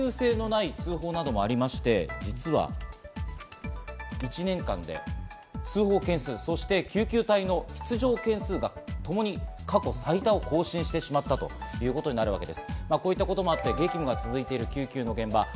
こういった緊急性のない通報などもありまして、実は１年間で通報件数、そして救急隊の出動件数が、ともに過去最多を更新してしまったということになるわけです。